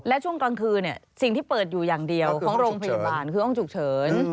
และช่วงกลางคืนสิ่งที่เปิดอยู่อย่างเดียวของโรงพยาบาลคือห้องฉุกเฉิน